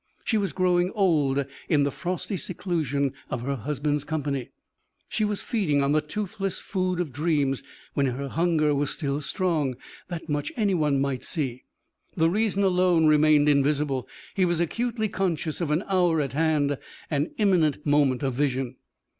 She was growing old in the frosty seclusion of her husband's company. She was feeding on the toothless food of dreams when her hunger was still strong. That much anyone might see; the reason alone remained invisible. He was acutely conscious of an hour at hand, an imminent moment of vision.